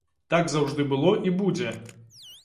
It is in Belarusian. Так заўжды было і будзе.